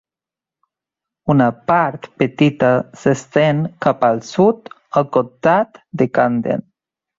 Una part petita s'estén cap al sud al comtat de Camden.